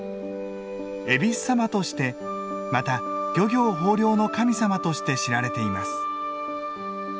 えびす様としてまた漁業豊漁の神様として知られています。